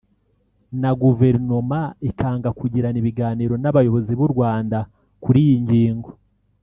na Guverinoma ikanga kugirana ibiganiro n’abayobozi b’u Rwanda kuri iyi ngingo